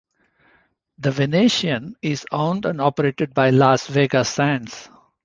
The Venetian is owned and operated by Las Vegas Sands.